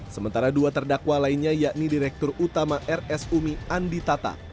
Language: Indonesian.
sementara dua terdakwa lainnya yakni direktur utama rs umi andi tata